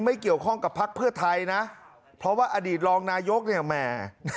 ไม่เกี่ยวข้องกับพักเพื่อไทยนะเพราะว่าอดีตรองนายกเนี่ยแหม